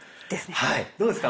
はいどうですか。